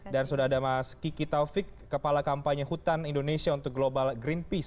dan sudah ada mas kiki taufik kepala kampanye hutan indonesia untuk global greenpeace